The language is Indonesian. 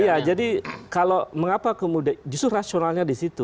iya jadi kalau mengapa kemudian justru rasionalnya disitu